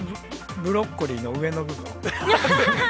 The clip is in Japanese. ブロッコリーの上の部分。